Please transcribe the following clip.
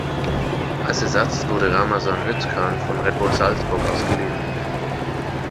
Als Ersatz wurde Ramazan Özcan von Red Bull Salzburg ausgeliehen.